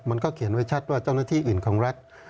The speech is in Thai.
มันก็เขียนไว้ชัดว่าเจ้าหน้าที่อื่นของรัฐ